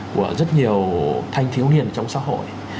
của rất nhiều thanh thiếu niên trong xã hội